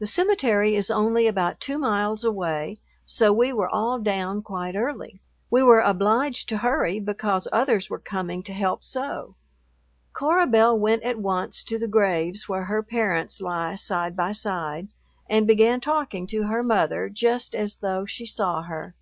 The cemetery is only about two miles away, so we were all down quite early. We were obliged to hurry because others were coming to help sew. Cora Belle went at once to the graves where her parents lie side by side, and began talking to her mother just as though she saw her.